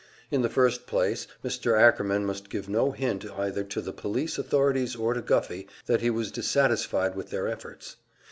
In the first place, Mr. Ackerman must give no hint either to the police authorities or to Guffey that he was dissatisfied with their efforts.